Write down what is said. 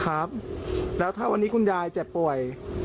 ครับแล้วถ้าวันนี้คุณยายเจ็บป่วย